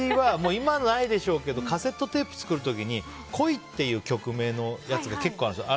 今はないでしょうけどカセットテープ作る時に「恋」っていう曲名が結構あるんですよ。